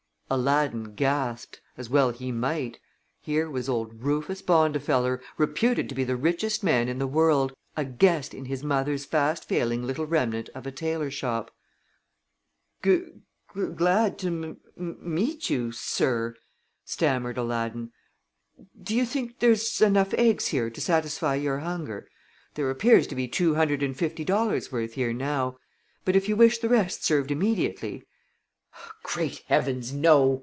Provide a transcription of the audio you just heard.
Aladdin gasped, as well he might. Here was old Rufus Bondifeller, reputed to be the richest man in the world, a guest in his mother's fast failing little remnant of a tailor shop. "Gud glad to mum meet you, sir," stammered Aladdin. "Do you think there's enough eggs here to satisfy your hunger? There appears to be two hundred and fifty dollars' worth here now, but if you wish the rest served immediately " "Great heavens, no!"